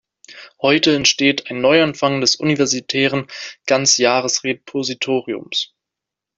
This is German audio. Heute entsteht ein Neuanfang des universitären Ganzjahresrepositoriums.